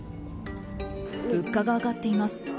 物価が上がっています。